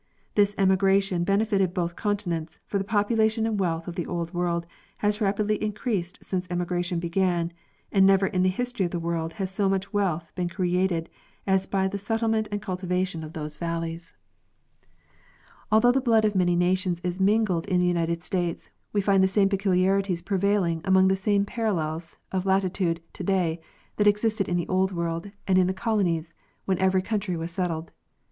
This emigration benefited both continents, for the population and wealth of the Old World has rapidly increased since emigration began, and never in the history of the world has so much wealth been created as by the settle ment and cultivation of these valleys. 20. G. G. Hubbard—Geographic Progress of Civilization. Athough the blood of many nations is mingled in the United States, we find the same peculiarities prevailing along the same parallels of latitude today that existed in the Old World and in | the colonies when the country was settled.